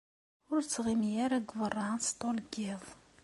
Ur ttɣimi ara deg beṛṛa sṭul n yiḍ.